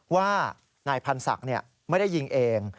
ว่านายพันธ์ศักดิ์ไม่ได้ยิงเอง